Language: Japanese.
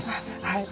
はい。